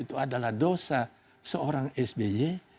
itu adalah dosa seorang sby